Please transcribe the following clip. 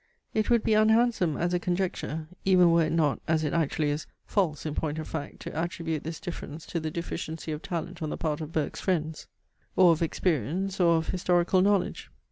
It would be unhandsome as a conjecture, even were it not, as it actually is, false in point of fact to attribute this difference to the deficiency of talent on the part of Burke's friends, or of experience, or of historical knowledge.